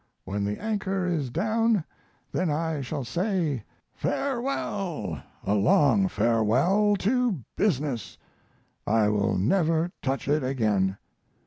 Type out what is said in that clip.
When the anchor is down then I shall say: "Farewell a long farewell to business! I will never touch it again!"